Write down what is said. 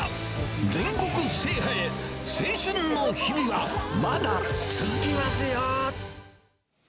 全国制覇へ、青春の日々はまだ続きますよ。